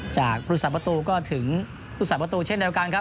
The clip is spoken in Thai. จากพรุษฎาประตูพรุษฎาประตูเช่นเดียวกันครับ